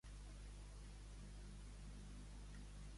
Quan Poliïd va anar a buscar a Glauc, amb què es va trobar?